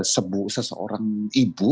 sebuah seseorang ibu